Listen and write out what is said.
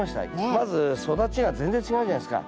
まず育ちが全然違うじゃないですか。